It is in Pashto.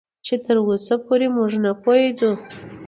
چې تراوسه پرې موږ نه پوهېدو